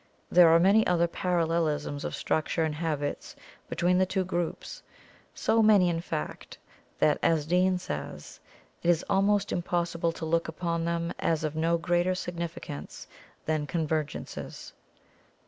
There are many other parallelisms of structure and habits between the two groups, so many in fact that, as Dean says, it is almost impossible to look upon them as of no greater significance than convergences.